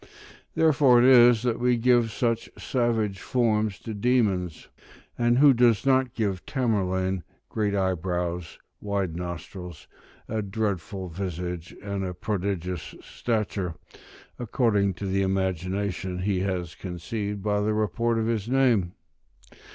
Therefore it is that we give such savage forms to demons: and who does not give Tamerlane great eyebrows, wide nostrils, a dreadful visage, and a prodigious stature, according to the imagination he has conceived by the report of his name?